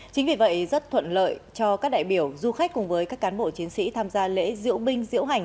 chính vì vậy rất thuận lợi cho các đại biểu du khách cùng với các cán bộ chiến sĩ tham gia lễ diễu binh diễu hành